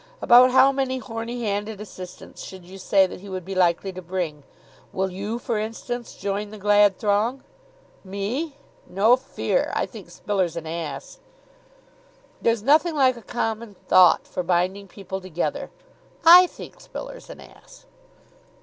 "About how many horny handed assistants should you say that he would be likely to bring? Will you, for instance, join the glad throng?" "Me? No fear! I think Spiller's an ass." "There's nothing like a common thought for binding people together. I think Spiller's an ass."